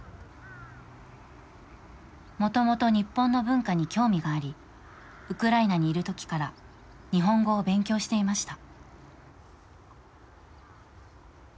もともと日本の文化に興味がありウクライナにいるときから日本語を勉強していました。